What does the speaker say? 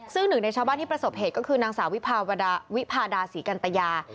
ซึ่งหนึ่งในชาวบ้านที่ประสบเหตุก็คือนางสาววิพาดาศรีกันตยา